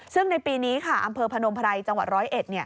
ซึ่งในปีนี้ค่ะอำเภอพนมไพรจังหวัดร้อยเอ็ด